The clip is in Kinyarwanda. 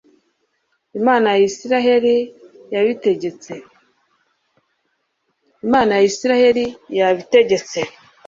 imana ya israheli, yabitegetse